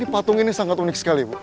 patung ini sangat unik sekali bu